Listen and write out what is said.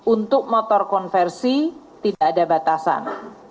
untuk motor konversi tidak ada batasan